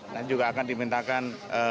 dan juga akan dimintakan